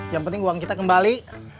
yang penting uang kita kembali